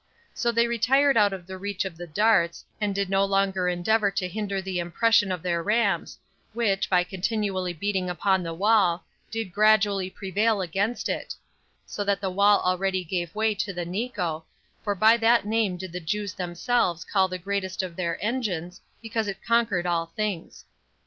So they retired out of the reach of the darts, and did no longer endeavor to hinder the impression of their rams, which, by continually beating upon the wall, did gradually prevail against it; so that the wall already gave way to the Nico, for by that name did the Jews themselves call the greatest of their engines, because it conquered all things.